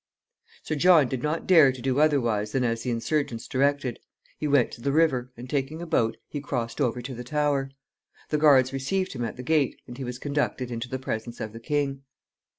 Sir John did not dare to do otherwise than as the insurgents directed. He went to the river, and, taking a boat, he crossed over to the Tower. The guards received him at the gate, and he was conducted into the presence of the king.